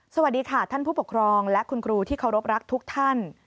สวัสดีค่ะท่านผู้ปกครองและคุณครูที่เคารพรักทุกท่าน